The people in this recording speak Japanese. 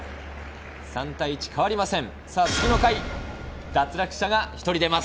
３対１、変わりません。